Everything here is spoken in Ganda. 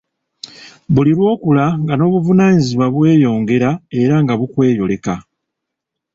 Buli lw'okula nga n'obuvunaanyizibwa bweyongera era nga bukweyoleka.